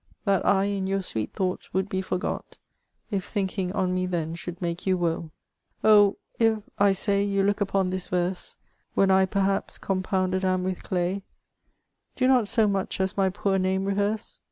That I in your sweet thoughts would he forgot, If thinking on me then should make you woe. Oh ! if (I say) you look upon this verse, When I, perhaps, compounded am with day ; Do not so much as my poor name rehearse.